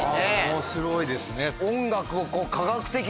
面白いですね。